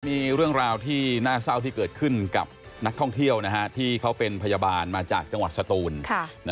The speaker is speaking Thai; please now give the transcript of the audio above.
มีเรื่องราวที่น่าเศร้าที่เกิดขึ้นกับนักท่องเที่ยวที่เขาเป็นพยาบาลมาจากจังหวัดสตูน